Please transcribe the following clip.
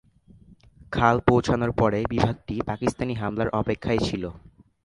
খাল পৌঁছানোর পরে বিভাগটি পাকিস্তানি হামলার অপেক্ষায় ছিল।